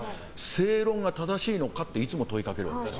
正論が正しいのかといつも問いかけるわけです。